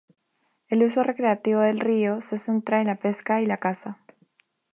El uso recreativo del río se centra en la pesca y la caza.